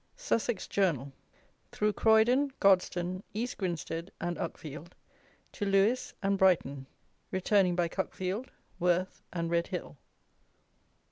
SUSSEX JOURNAL: THROUGH CROYDON, GODSTONE, EAST GRINSTEAD, AND UCKFIELD, TO LEWES, AND BRIGHTON; RETURNING BY CUCKFIELD, WORTH, AND RED HILL.